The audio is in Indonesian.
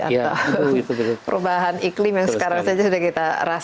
atau perubahan iklim yang sekarang saja sudah kita rasakan